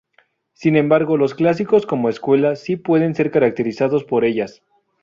Sin embargo, los clásicos como escuela si pueden ser caracterizados por ellas.